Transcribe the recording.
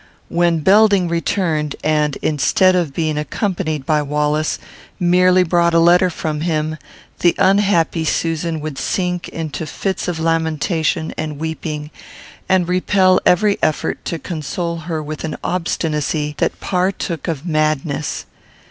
When Belding returned, and, instead of being accompanied by Wallace, merely brought a letter from him, the unhappy Susan would sink into fits of lamentation and weeping, and repel every effort to console her with an obstinacy that partook of madness.